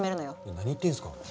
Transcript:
いや何言ってんすか。